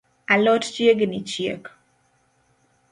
A lot chiegni chiek